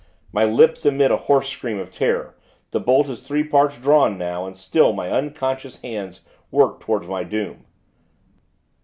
My lips emit a hoarse scream of terror, the bolt is three parts drawn, now, and still my unconscious hands work toward my doom.